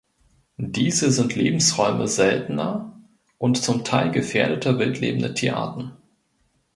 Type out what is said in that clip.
Diese sind Lebensräume seltener und zum Teil gefährdeter wildlebender Tierarten.